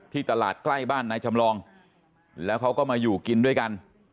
ตลาดใกล้บ้านนายจำลองแล้วเขาก็มาอยู่กินด้วยกัน